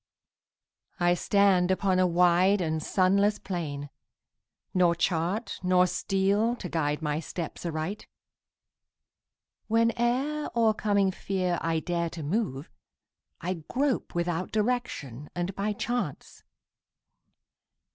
I stand upon a wide and sunless plain, Nor chart nor steel to guide my steps aright. Whene'er, o'ercoming fear, I dare to move, I grope without direction and by chance.